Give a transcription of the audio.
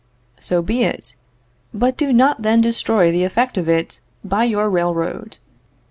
So be it; but do not then destroy the effect of it by your railroad.